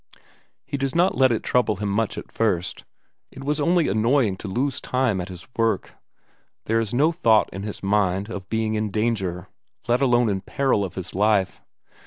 He does not let it trouble him much at first, it was only annoying to lose time at his work; there is no thought in his mind of being in danger, let alone in peril of his life.